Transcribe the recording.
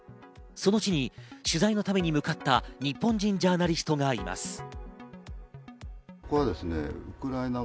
その地に取材のために向かった日本人ジャーナリストがいます。